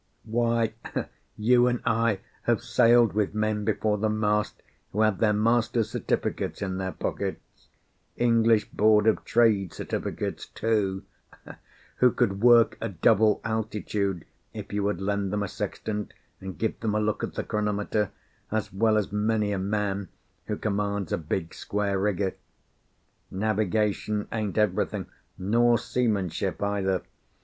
Why, you and I have sailed with men before the mast who had their master's certificates in their pockets English Board of Trade certificates, too who could work a double altitude if you would lend them a sextant and give them a look at the chronometer, as well as many a man who commands a big square rigger. Navigation ain't everything, nor seamanship either.